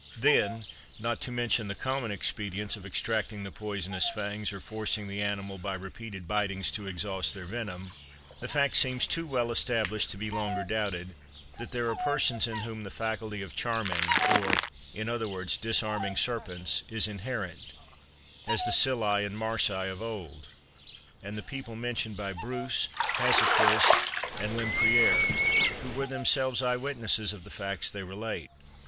Then, not to mention the common expedients of extracting the poisonous fangs, or forcing the animal by repeated bitings to exhaust their venom, the fact seems too well established to be longer doubted, that there are persons in whom the faculty of charming, or, in other words, disarming serpents, is inherent, as the psylli and marsi of old, and the people mentioned by Bruce, Hassequist, and Lempriere, who were themselves eye witnesses of the facts they relate.